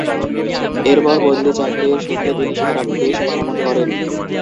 এরপর বদলি চাকরির সূত্রে তিনি সারা দেশ ভ্রমণ করেন।